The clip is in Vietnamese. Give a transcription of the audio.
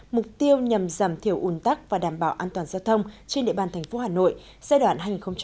mục tiêu nhằm giảm thiểu ủn tắc và đảm bảo an toàn giao thông trên địa bàn thành phố hà nội giai đoạn hai nghìn một mươi sáu hai nghìn hai mươi